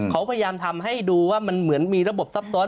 เขาพยายามทำให้ดูว่ามันเหมือนมีระบบซับซ้อน